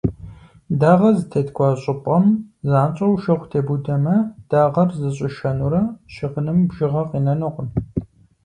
Дагъэ зытеткӏуа щӏыпӏэм занщӏэу шыгъу тебудэмэ, дагъэр зыщӏишэнурэ щыгъыным бжьыгъэ къинэнукъым.